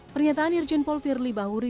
pernyataan irjen paul firly bahuri